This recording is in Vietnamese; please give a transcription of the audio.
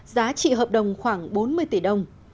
giá trị hợp đồng khoảng bốn mươi tỷ đồng